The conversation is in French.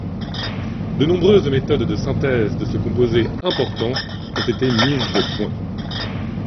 De nombreuses méthodes de synthèse de ce composé important ont été mises au point.